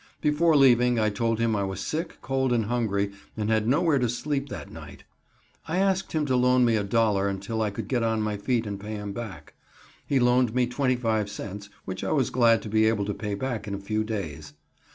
Before leaving, I told him I was sick, cold and hungry, and had nowhere to sleep that night. I asked him to loan me $1.00 until I could get on my feet and pay him back. He loaned me 25 cents, which I was glad to be able to pay back in a few days.